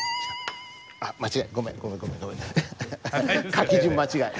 書き順間違え！